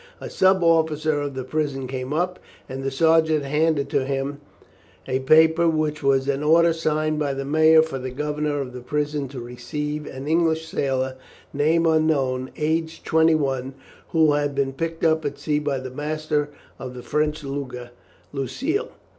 A sub officer of the prison came up, and the sergeant handed to him a paper, which was an order signed by the mayor for the governor of the prison to receive an English sailor, name unknown, age twenty one, who had been picked up at sea by the master of the French lugger Lucille.